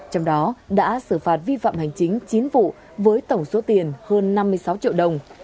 trong đó đã xử phạt vi phạm hành chính chín vụ với tổng số tiền hơn năm mươi sáu triệu đồng